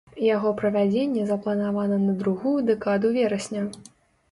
Яго правядзенне запланавана на другую дэкаду верасня.